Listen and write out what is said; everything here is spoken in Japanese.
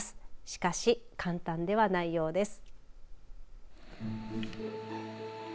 しかし、簡単ではないようです。